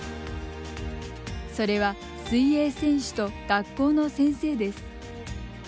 それは水泳選手と学校の先生です。